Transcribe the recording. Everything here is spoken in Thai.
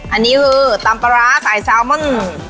อันนี้คือตำปลาร้าสายแซลมอน